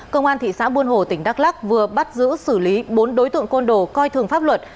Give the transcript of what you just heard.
công an thị xã buôn hồ tỉnh đắk lắc vừa bắt giữ xử lý bốn đối tượng côn đồ coi thường pháp luật